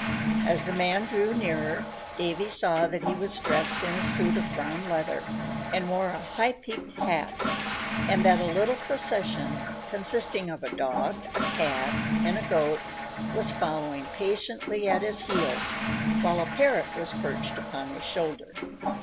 As the man drew nearer, Davy saw that he was dressed in a suit of brown leather, and wore a high peaked hat, and that a little procession, consisting of a dog, a cat, and a goat, was following patiently at his heels, while a parrot was perched upon his shoulder.